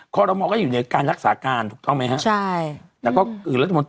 ก็ถอบว่าหรือว่า